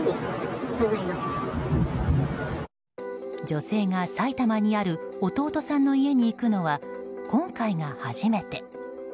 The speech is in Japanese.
女性が埼玉にある弟さんの家に行くのは今回が初めて。